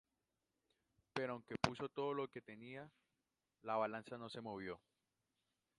Pero aunque puso todo lo que tenía, la balanza no se movió.